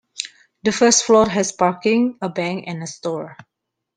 The first floor has parking, a bank, and a store.